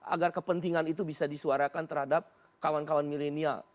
agar kepentingan itu bisa disuarakan terhadap kawan kawan milenial